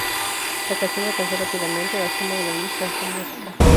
La canción alcanzó rápidamente la cima de las listas de música.